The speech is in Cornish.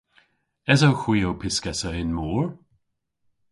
Esowgh hwi ow pyskessa yn mor?